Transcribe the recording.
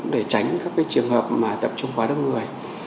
để tránh các trường hợp mà tập trung quá đông người